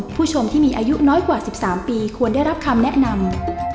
ผู้ชมที่มีอายุน้อยกว่า๑๓ปีควรได้รับคำแนะนำ